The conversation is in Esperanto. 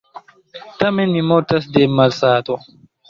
Tamen mi mortas de malsato.